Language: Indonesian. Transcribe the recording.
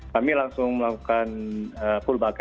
kami langsung melakukan full bucket